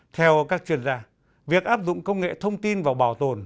theo các chuyên gia việc áp dụng công nghệ thông tin vào bảo tồn